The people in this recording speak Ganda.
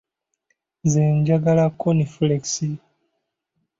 Nze njagala konifulekisi.